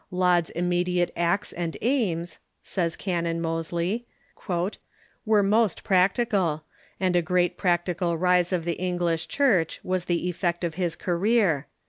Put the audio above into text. "Laud's immediate acts and aims,' says Canon Mozlev, " were most practical; and a great practical rise of the English Church was the effect of his career.